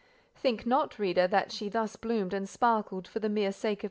Think not, reader, that she thus bloomed and sparkled for the mere sake of M.